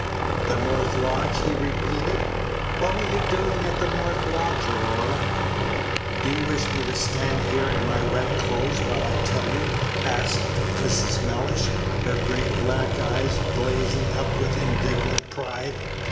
"The north lodge!" he repeated; "what were you doing at the north lodge, Aurora?" "Do you wish me to stand here in my wet clothes while I tell you?" asked Mrs. Mellish, her great black eyes blazing up with indignant pride.